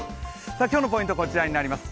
今日のポイントはこちらになります。